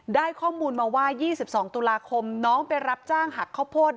ได้ข้อมูลมาว่ายี่สิบสองตุลาคมน้องไปรับจ้างหักข้าวโพธิ์